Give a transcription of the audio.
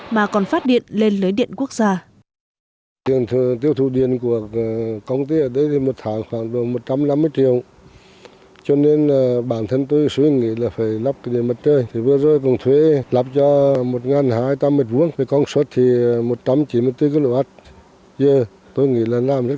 mà còn phát điện lên lưới điện quốc gia